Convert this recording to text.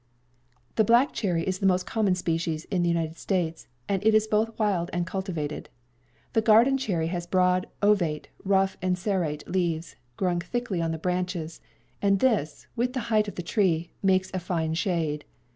The black cherry is the most common species in the United States, and is both wild and cultivated. The garden cherry has broad, ovate, rough and serrate leaves, growing thickly on the branches, and this, with the height of the tree, makes a fine shade.